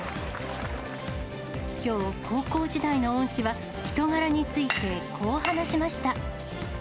きょう、高校時代の恩師は、人柄についてこう話しました。